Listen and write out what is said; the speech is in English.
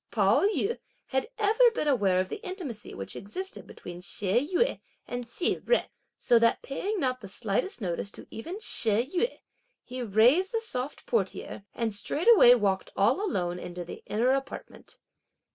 Pao yü had been ever aware of the intimacy which existed between She Yüeh and Hsi Jen, so that paying not the slightest notice to even She Yüeh, he raised the soft portiere and straightway walked all alone into the inner apartment.